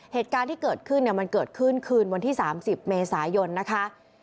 เหตุการณ์ที่เกิดขึ้นเนี่ยมันเกิดขึ้นคืนวันที่๓๐เมษายนนะคะ